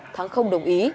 thắng không đồng ý